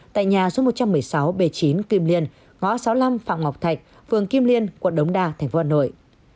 tại nhà số một trăm một mươi sáu b chín kim liên ngõ sáu mươi năm phạm ngọc thạch vườn kim liên quận đống đa thành phố hà nội